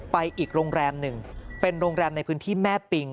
อีกโรงแรมหนึ่งเป็นโรงแรมในพื้นที่แม่ปิง